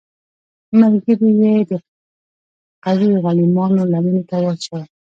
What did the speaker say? ملګري یې د قوي غلیمانو لمنې ته واچول.